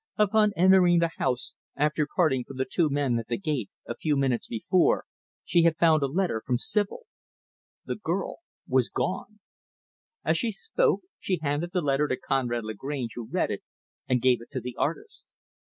Upon entering the house, after parting from the two men at the gate, a few minutes before, she had found a letter from Sibyl. The girl was gone. As she spoke, she handed the letter to Conrad Lagrange who read it and gave it to the artist.